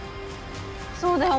そうだよ